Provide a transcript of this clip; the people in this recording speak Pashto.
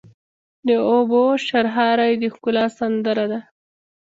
د اوبو شرهاری د ښکلا سندره ده.